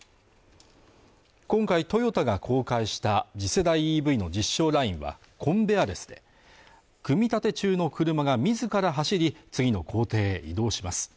今回トヨタが公開した次世代ＥＶの実証ラインはコンベアレスで組み立て中の車が自ら走り次の工程へ移動します